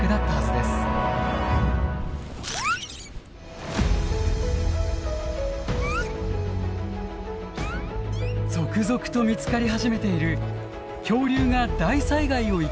続々と見つかり始めている恐竜が大災害を生き延びた可能性。